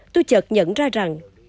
tôi chợt nhận ra rằng